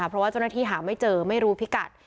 เพราะว่าเจ้าหน้าที่หาไม่เจอไม่รู้พิกัด